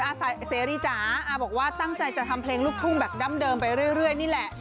เสรีจ๋าอาบอกว่าตั้งใจจะทำเพลงลูกทุ่งแบบดั้งเดิมไปเรื่อยนี่แหละ